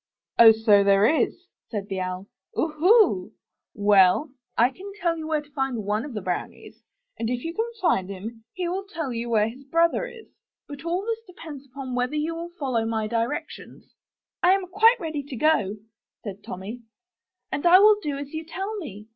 '^So there is," said the Owl. '^Oohoo! Well, I can tell you where to find one of the brownies: and if you can find him, he will tell you where his brother is. But all this depends upon whether you will follow my directions." I am quite ready to go," said Tommy, *'and I will do as you tell me.